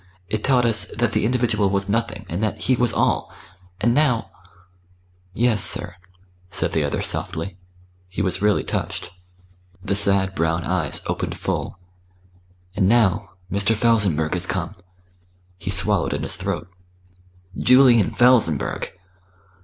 It taught us that the individual was nothing, and that He was all. And now " "Yes, sir," said the other softly. He was really touched. The sad brown eyes opened full. "And now Mr. Felsenburgh is come." He swallowed in his throat. "Julian Felsenburgh!"